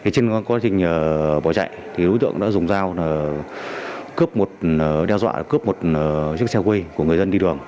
trên quá trình bỏ chạy đối tượng đã dùng đao cướp một chiếc xe quê của người dân đi đường